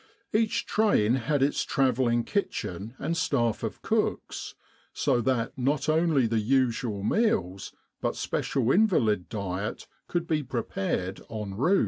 Each train had its travelling kitchen and staff of cooks, so that not only the usual meals but special invalid diet could be prepared en route.